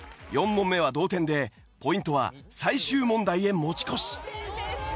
４問目は同点でポイントは最終問題へ持ち越し。